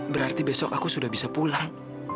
berarti besok aku sudah bisa pulang